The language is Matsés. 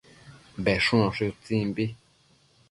Bedshunoshi utsimbi